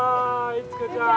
いちかちゃん！